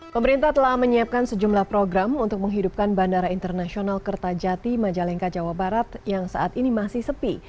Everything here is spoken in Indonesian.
pemerintah telah menyiapkan sejumlah program untuk menghidupkan bandara internasional kertajati majalengka jawa barat yang saat ini masih sepi